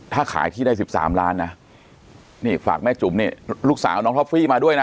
ถ้าขายที่ได้๑๓ล้านนะนี่ฝากแม่จุ๋มนี่ลูกสาวน้องท็อฟฟี่มาด้วยนะ